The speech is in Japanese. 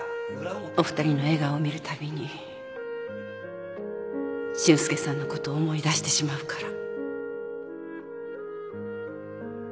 お二人の笑顔を見るたびに俊介さんのことを思い出してしまうから。